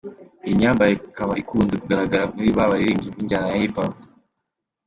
Iyi myambarire ikaba ikunze kugaragara mu baririmbyi b’injyana ya Hiphop.